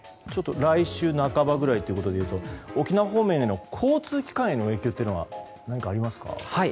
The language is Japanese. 来週半ばくらいということでういと沖縄方面への交通機関の影響というのはありますか？